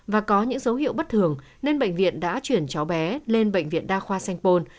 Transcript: và có những dấu hiệu bất thường nên bệnh viện đã chuyển cháu bé lên bệnh viện đa khoa sanh pôn